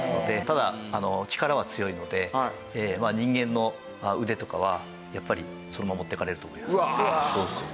ただ力は強いので人間の腕とかはやっぱりそのまま持っていかれると思います。